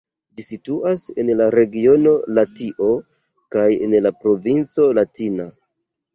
Ĝi situas en la regiono Latio kaj en la provinco Latina.